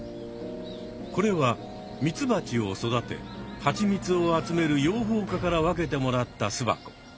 これはミツバチを育てハチミツを集める養蜂家から分けてもらった巣箱。